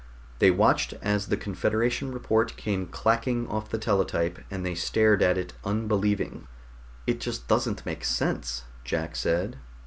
They watched as the Confederation report came clacking off the teletype, and they stared at it unbelieving. "It just doesn't make sense," Jack said.